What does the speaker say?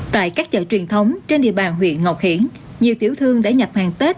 tại các chợ truyền thống trên địa bàn huyện ngọc hiển nhiều tiểu thương đã nhập hàng tết